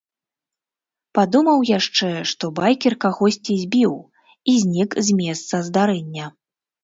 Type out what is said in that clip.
Падумаў яшчэ, што байкер кагосьці збіў і знік з месца здарэння.